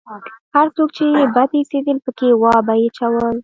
هر څوک چې يې بد اېسېدل پکښې وابه يې چول.